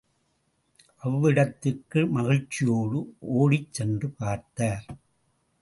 அவ்விடத்திற்கு மகிழ்ச்சியோடு ஓடிச் சென்று பார்த்தார்.